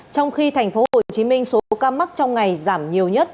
trong khi thành phố hồ chí minh số ca mắc trong ngày giảm nhiều nhất